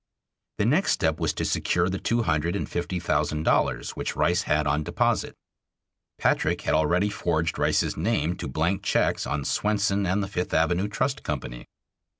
The next step was to secure the two hundred and fifty thousand dollars which Rice had on deposit. Patrick had already forged Rice's name to blank checks on Swenson and the Fifth Avenue Trust Company.